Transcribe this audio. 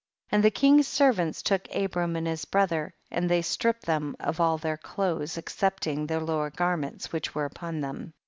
22. And the king's servants took Abram and his brother, and they stripped them of all their clothes excepting their lower garments which were upon them.